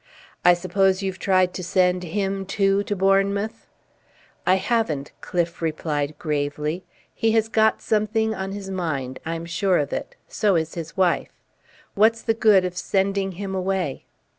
"I suppose you've tried to send him, too, to Bournemouth?" "I haven't," Cliffe replied gravely. "He has got something on his mind. I'm sure of it. So is his wife. What's the good of sending him away?"